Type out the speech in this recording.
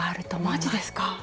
マジですか？